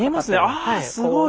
ああすごい。